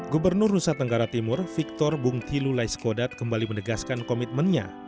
gubernur nusa tenggara timur victor bung tilu laiskodat kembali menegaskan komitmennya